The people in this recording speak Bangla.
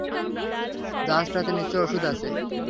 জাহাজটাতে নিশ্চয়ই ওষুধ আছে!